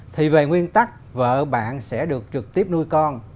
thì về nguyên tắc vợ bạn sẽ được trực tiếp nuôi con